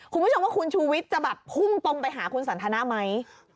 คุณผู้ชมว่าคุณชูวิทย์จะแบบพุ่งตรงไปหาคุณสันทนาไหม